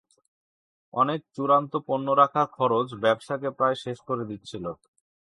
অনেক চূড়ান্ত পণ্য রাখার খরচ ব্যবসাকে প্রায় শেষ করে দিচ্ছিল।